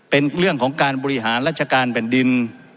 เป็นเรื่องของการบริหารราชการแผ่นดิน